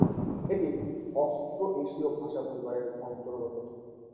এটি অস্ট্রো-এশীয় ভাষা পরিবারের অন্তঃর্গত।